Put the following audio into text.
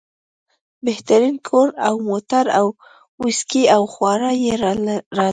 بهترین کور او موټر او ویسکي او خواړه یې لرل.